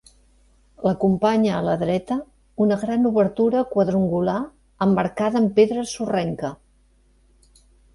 L'acompanya a la dreta una gran obertura quadrangular emmarcada amb pedra sorrenca.